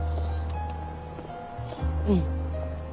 うん。